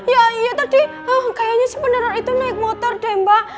iya iya iya tadi kayaknya si peneror itu naik motor deh mbak